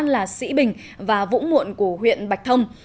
là sĩ bình và vũ muộn của huyện bạch thông